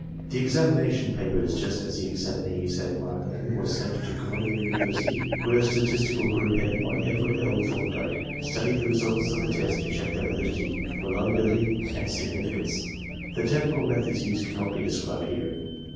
The examination papers, just as the examinees had marked them, were sent to Columbia University, where a statistical group headed by Edward L. Thomdike studied the results of the tests to check their validity, reliability and significance. The technical methods used cannot be described here.